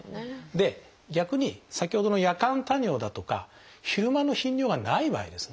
逆に先ほどの夜間多尿だとか昼間の頻尿がない場合ですね